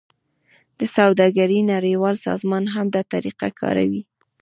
د سوداګرۍ نړیوال سازمان هم دا طریقه کاروي